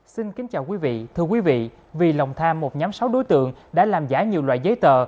xin kính chào quý vị thưa quý vị vì lòng tham một nhóm sáu đối tượng đã làm giả nhiều loại giấy tờ